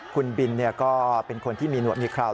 คุณบินก็เป็นคนที่มีหนวดมีคราว